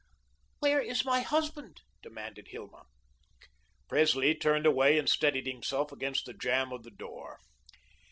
"Where is my husband?" demanded Hilma. Presley turned away and steadied himself against the jamb of the door.